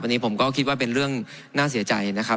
อันนี้ผมก็คิดว่าเป็นเรื่องน่าเสียใจนะครับ